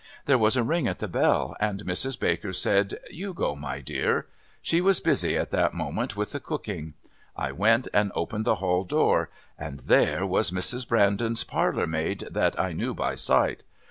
There was a ring at the bell and Mrs. Baker said, 'You go, my dear.' She was busy at the moment with the cooking. I went and opened the hall door and there was Mrs. Brandon's parlourmaid that I knew by sight.